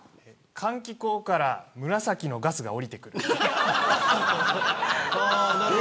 換気口から紫のガスがおりてくる。